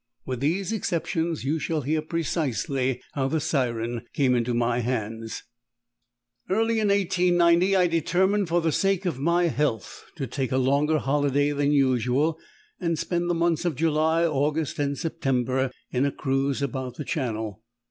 With these exceptions you shall hear precisely how the Siren came into my hands. Early in 1890 I determined, for the sake of my health, to take a longer holiday than usual, and spend the months of July, August, and September in a cruise about the Channel.